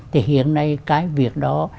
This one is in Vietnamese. thì hiện nay cái việc đó